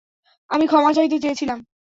আমি ক্ষমা চাইতে চেয়েছিলাম।